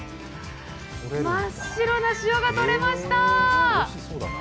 真っ白な塩がとれました！